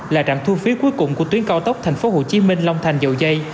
là trạm thu phí cuối cùng của tuyến cao tốc thành phố hồ chí minh long thành dầu dây